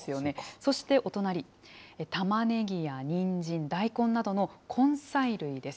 そして、お隣、たまねぎやにんじん、大根などの根菜類です。